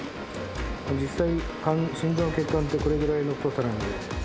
実際心臓の血管ってこれぐらいの太さなんで。